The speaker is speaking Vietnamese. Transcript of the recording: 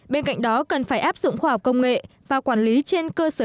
bên cạnh đó cần phải áp dụng khoa học công nghệ và quản lý trên cơ sở